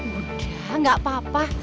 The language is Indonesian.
mudah gak apa apa